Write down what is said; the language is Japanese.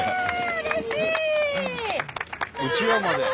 うれしい！